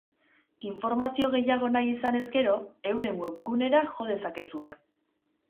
Informazio gehiago nahi izanez gero, euren web gunera jo dezakezue.